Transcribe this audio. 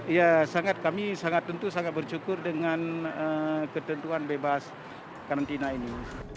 ya sangat kami sangat tentu sangat bersyukur dengan ketentuan bebas karantina ini